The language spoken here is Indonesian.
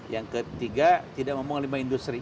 yang ketiga tidak ngomong limbah industri